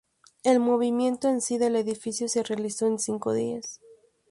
El movimiento en sí del edificio se realizó en cinco días.